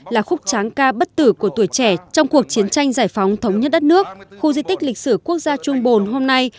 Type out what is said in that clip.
là khúc tráng ca bất tử của tuổi trẻ trong cuộc chiến tranh giải phóng thống nhất đất nước khu di tích lịch sử quốc gia trung bồn hôm nay